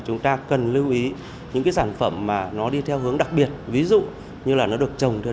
chúng ta cần lưu ý những cái sản phẩm mà nó đi theo hướng đặc biệt ví dụ như là nó được trồng theo